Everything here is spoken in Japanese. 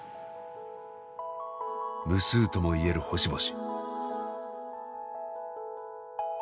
無数ともいえる星々。